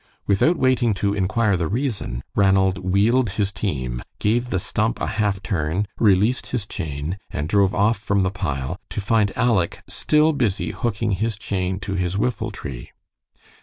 Without waiting to inquire the reason, Ranald wheeled his team, gave the stump a half turn, released his chain, and drove off from the pile, to find Aleck still busy hooking his chain to his whiffletree.